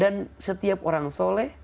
dan setiap orang soleh